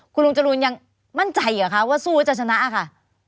คุณรุ่งจรูนยังมั่นใจคะว่าสู้จะชนะคะ